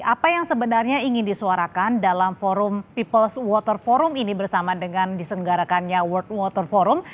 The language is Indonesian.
apa yang sebenarnya ingin disuarakan dalam forum peoples water forum ini bersama dengan disenggarakannya world water forum